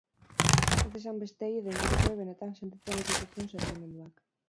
Ez esan besteei edo ingurukoei benetan sentitzen ez dituzun sentimenduak.